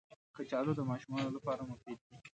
کچالو د ماشومانو لپاره مفید دي